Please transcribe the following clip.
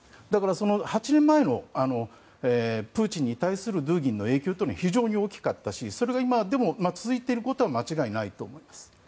だから、８年前のプーチンに対するドゥーギンの影響というのは非常に大きかったしそれが今でも続いているのは間違いないと思います。